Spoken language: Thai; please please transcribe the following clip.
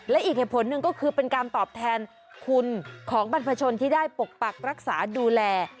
และอีกเหตุผลหนึ่งก็คือเป็นการตอบแทนคุณของบรรพชนที่ได้ปกปักรักษาดูแล